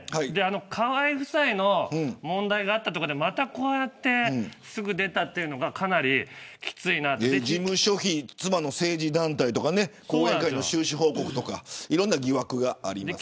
河合夫妻の問題があったところでまた、こうやってすぐ出たのが事務所費、妻の政治団体とか講演会の収支報告とかいろんな疑惑があります。